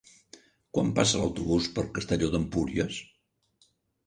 Quan passa l'autobús per Castelló d'Empúries?